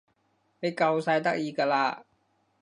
你夠晒得意㗎啦